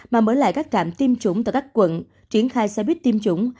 mà mở lại các trạm tiêm chủng tại các quận triển khai xe buýt tiêm chủng